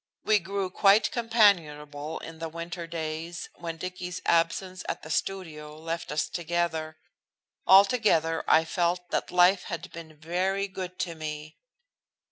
We grew quite companionable in the winter days when Dicky's absence at the studio left us together. Altogether I felt that life had been very good to me.